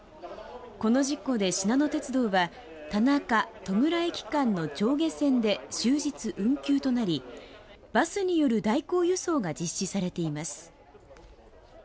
この事故でしなの鉄道は田中戸倉駅間の上下線で終日運休となりバスによる代行輸送が実施されています。